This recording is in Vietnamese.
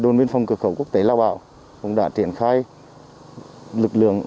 đội nguyên phòng cửa khẩu quốc tế lao bảo cũng đã triển khai lực lượng